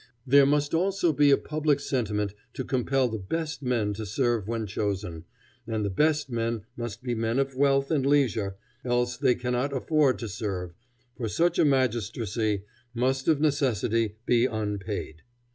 There must also be a public sentiment to compel the best men to serve when chosen, and the best men must be men of wealth and leisure, else they cannot afford to serve, for such a magistracy must of necessity be unpaid.